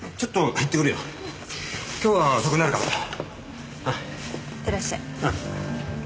いってらっしゃい。